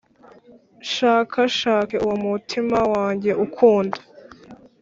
nshakashake uwo umutima wanjye ukunda.